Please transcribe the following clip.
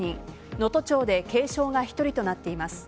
能登町で軽傷が１人となっています。